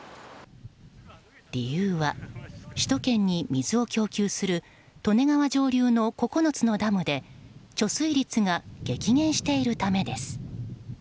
理由は、首都圏に水を供給する利根川上流の９つのダムで貯水率が激減しているためです。